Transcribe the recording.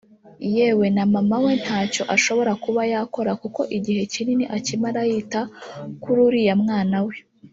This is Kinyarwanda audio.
yewe na mama we nawe ntacyo ashobora kuba yakora kuko igihe kinini akimara yita kuri uriya mwana we